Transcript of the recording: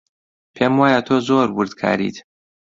پێم وایە تۆ زۆر وردکاریت.